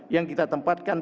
yang kita tempatkan